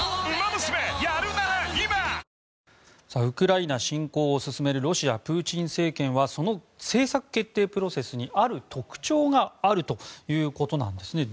ウクライナ侵攻を進めるロシア、プーチン政権はその政策決定プロセスにある特徴があるということなんです。